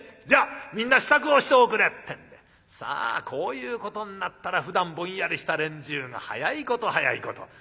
じゃあみんな支度をしておくれ」ってんでさあこういうことになったらふだんぼんやりした連中の速いこと速いこと。